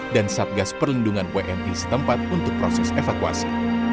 dan satgas perlindungan wni setempat untuk proses evakuasi